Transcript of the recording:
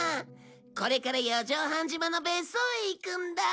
これから四丈半島の別荘へ行くんだ。